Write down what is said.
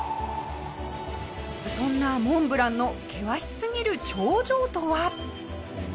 そんなモンブランの険しすぎる頂上とは？